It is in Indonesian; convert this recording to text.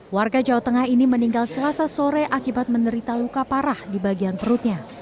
warga jawa tengah ini meninggal selasa sore akibat menderita luka parah di bagian perutnya